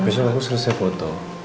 besok aku selesai foto